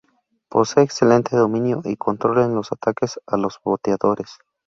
Posee excelente dominio y control en los ataques a los bateadores.